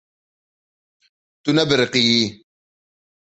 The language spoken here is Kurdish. Tu nebiriqiyî.